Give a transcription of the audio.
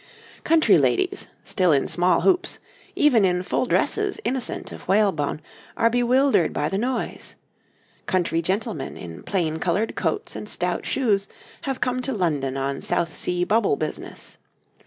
}] Country ladies, still in small hoops, even in full dresses innocent of whalebone, are bewildered by the noise; country gentlemen, in plain coloured coats and stout shoes, have come to London on South Sea Bubble business.